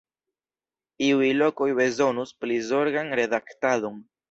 Iuj lokoj bezonus pli zorgan redaktadon.